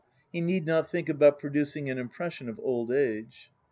INTRODUCTION 25 he need not think about producing an impression of old age.